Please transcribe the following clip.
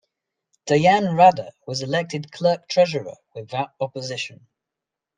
Diane Rader was elected clerk-treasurer without opposition.